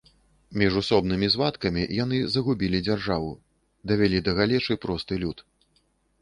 Міжусобнымі звадкамі яны загубілі дзяржаву, давялі да галечы просты люд.